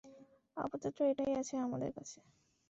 আপাতত এটাই আছে আমাদের কাছে।